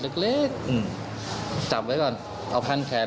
หลังจากนั้นเป็นสายหนึ่ง